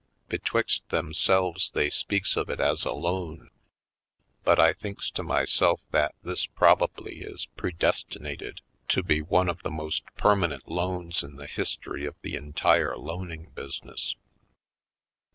Betwixt themselves they speaks of it as a loan, but I thinks to myself that this probably is pre destinated to be one of the most permanent loans in the history of the entire loaning business.